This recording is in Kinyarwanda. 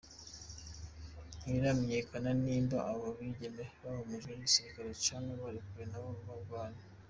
Ntibiramenyekana nimba abo bigeme babohojwe n’igisirikare canke barekuwe n’abo bagwanyi.